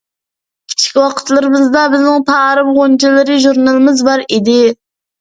كىچىك ۋاقىتلىرىمىزدا بىزنىڭ «تارىم غۇنچىلىرى» ژۇرنىلىمىز بار ئىدى.